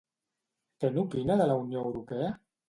Què n'opina de la Unió Europea?